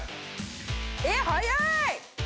えっ早い！